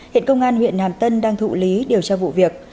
hiện công an huyện hàm tân đang thụ lý điều tra vụ việc